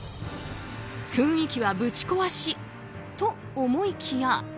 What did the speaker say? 雰囲気はぶち壊しと思いきや